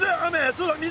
そうだ水！